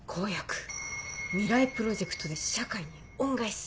「未来プロジェクトで社会に恩返し‼」。